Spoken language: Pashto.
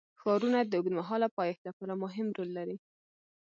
ښارونه د اوږدمهاله پایښت لپاره مهم رول لري.